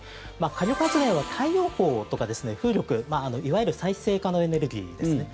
火力発電は、太陽光とか風力いわゆる再生可能エネルギーですね。